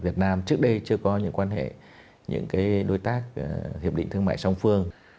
việt nam trước đây chưa có những quan hệ những đối tác hiệp định thương mại song phương